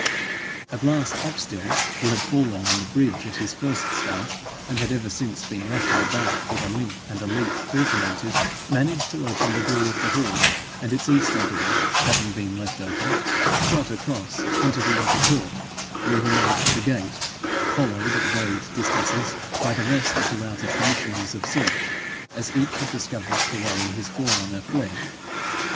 At last Upstill, who had fallen on the bridge at his first start, and had ever since been rushing about with a limp and a leap alternated, managed to open the door of the hall, and its eastern door having been left open, shot across and into the outer court, where he made for the gate, followed at varied distance by the rest of the routed commissioners of search, as each had discovered the way his forerunner fled.